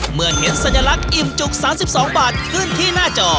เมื่อเห็นสัญลักษณ์อิ่มจุก๓๒บาทขึ้นที่หน้าจอ